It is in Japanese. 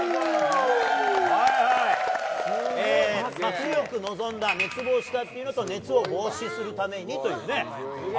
強く望んだ熱望したというのと熱を防止するというためにというね。